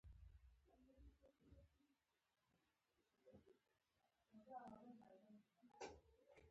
تحصیل لپاره سکالرشیپ تر لاسه کړ.